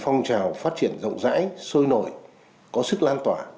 phong trào phát triển rộng rãi sôi nổi có sức lan tỏa